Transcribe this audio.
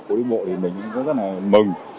mở cửa trở lại phố đi bộ thì mình rất là mừng